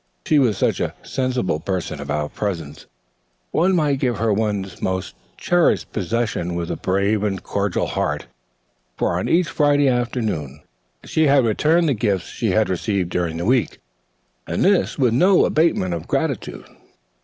She was such a sensible person about presents. One might give her one's most cherished possession with a brave and cordial heart, for on each Friday afternoon she returned the gifts she had received during the week. And this with no abatement of gratitude.